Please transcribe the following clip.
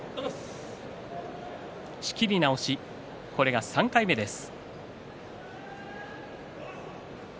仕切り直し、これが３回目です。